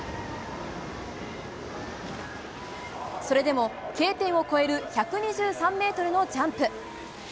それでもＫ点を越える１２３ｍのジャンプ。